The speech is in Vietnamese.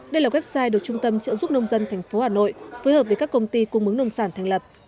đây là website được trung tâm trợ giúp nông dân tp hà nội phối hợp với các công ty cung mứng nông sản thành lập